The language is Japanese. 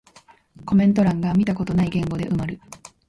コメント欄が見たことない言語で埋まる